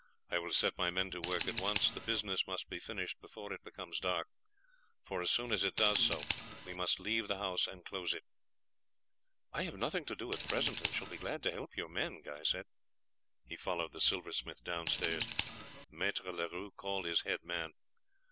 I will set my men to work at once; the business must be finished before it becomes dark, for as soon as it does so we must leave the house and close it." "I have nothing to do at present, and shall be glad to help your men," Guy said. He followed the silversmith downstairs. Maître Leroux called his head man.